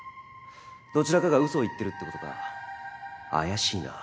どちらかがウソを言ってるってことか怪しいな。